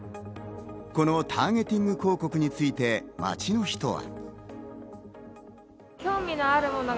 このターゲティング広告について、街の人は。